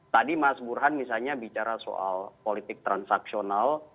tadi mas burhan misalnya bicara soal politik transaksional